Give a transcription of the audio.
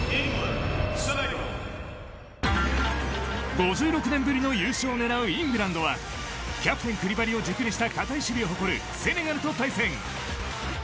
５６年ぶりの優勝を狙うイングランドはキャプテン・クリバリを軸にした堅い守備を誇るセネガルと対戦。